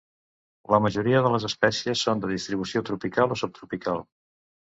La majoria de les espècies són de distribució tropical o subtropical.